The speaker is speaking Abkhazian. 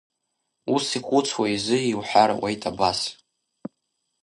Ус ихәыцуа изы иуҳәар ауеит абас…